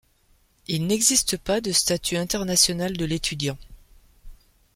Il n'existe pas de statut international de l'étudiant.